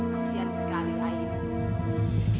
kasian sekali ayah